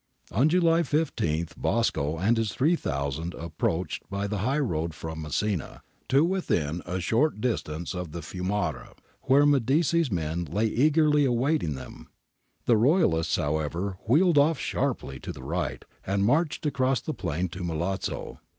{See henceforth Map I p. '6\ below?) On July 15 Bosco and his three thousand approached by the high road from Messina to within a short distance of the fiiimara, where Medici's men lay eagerly awaiting them ; the Royalists, however, wheeled off sharply to the right, and marched across the plain to Milazzo.